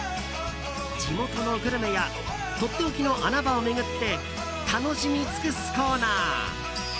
地元のグルメやとっておきの穴場を巡って楽しみ尽くすコーナー。